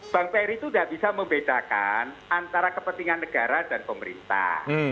bang ferry itu tidak bisa membedakan antara kepentingan negara dan pemerintah